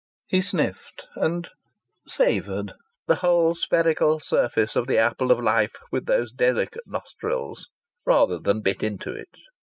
He sniffed and savoured the whole spherical surface of the apple of life with those delicate nostrils, rather than bit into it.